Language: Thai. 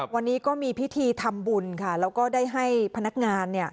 วันนี้ก็มีพิธีทำบุญค่ะแล้วก็ได้ให้พนักงานเนี่ย